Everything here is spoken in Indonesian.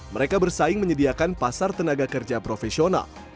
mereka bersaing menyediakan pasar tenaga kerja profesional